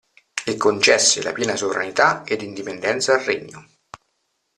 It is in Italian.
E concesse la piena sovranità ed indipendenza al Regno.